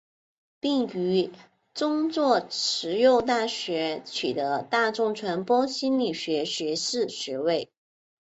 并于宗座慈幼大学取得大众传播心理学学士学位。